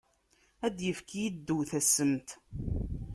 Ad d-yefk yiddew tassemt!